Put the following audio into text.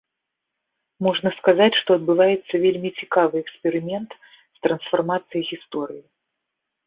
Можна сказаць, што адбываецца вельмі цікавы эксперымент з трансфармацыяй гісторыі.